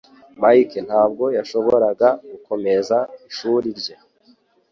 Mike ntabwo yashoboraga gukomeza ishuri rye